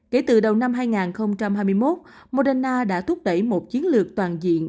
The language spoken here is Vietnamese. kể từ đầu năm hai nghìn hai mươi một moderna đã thúc đẩy một chiến lược toàn diện